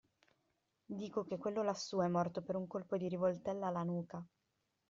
Dico che quello lassù è morto per un colpo di rivoltella alla nuca.